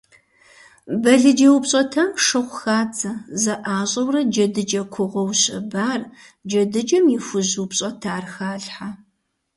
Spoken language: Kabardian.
Балыджэ упщӏэтам шыгъу хадзэ, зэӏащӏэурэ джэдыкӏэ кугъуэ ущэбар, джэдыкӏэм и хужь упщӏэтар халъхьэ.